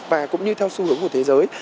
và cũng như theo xu hướng của thế giới